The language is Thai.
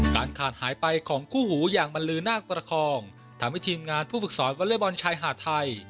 การขาดหายไปของคู่หูอย่างบรรลือนาคประคองทำให้ทีมงานผู้ฝึกสอนวอเล็กบอลชายหาดไทย